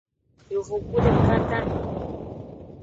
Yovogbu deka dahen.